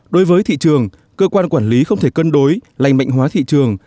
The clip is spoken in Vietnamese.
đối với thị trường cơ quan quản lý không thể cân đối lành mạnh hóa thị trường